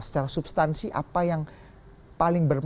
secara substansi apa yang paling berbahaya